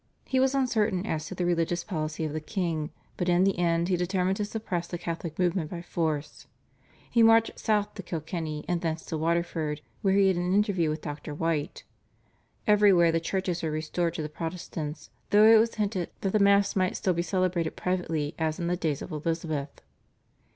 He was uncertain as to the religious policy of the king, but in the end he determined to suppress the Catholic movement by force. He marched South to Kilkenny and thence to Waterford, where he had an interview with Dr. White. Everywhere the churches were restored to the Protestants, though it was hinted that the Mass might still be celebrated privately as in the days of Elizabeth.